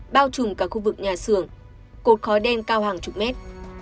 bao trùm cả khu vực nhà xưởng cột khói đen cao hàng chục mét